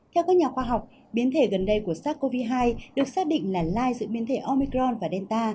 theo các nhà khoa học biến thể gần đây của sars cov hai được xác định là lai giữa biến thể omicron và delta